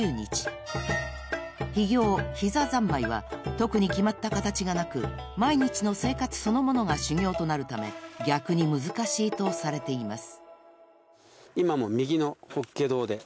［特に決まった形がなく毎日の生活そのものが修行となるため逆に難しいとされています］